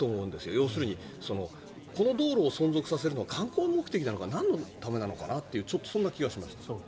要するに、この道路を存続させるのは観光目的なのかなんのためなのかなというそんな気がしました。